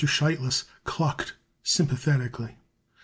Sheitlis clucked sympathetically.